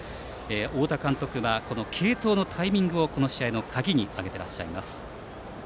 太田監督は継投のタイミングをこの試合の鍵に挙げています。